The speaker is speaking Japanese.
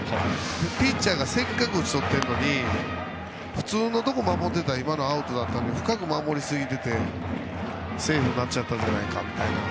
ピッチャーがせっかく打ち取っているのに普通のところを守っていたらアウトだったのに深く守りすぎててセーフになっちゃったんじゃないかと。